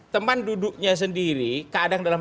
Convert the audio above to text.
teman duduknya sendiri kadang dalam